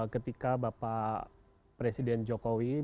ketika bapak presiden jokowi